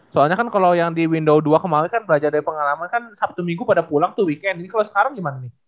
soalnya kan kalau yang di window dua kemarin kan belajar dari pengalaman kan sabtu minggu pada pulang tuh weekend ini kalau sekarang gimana nih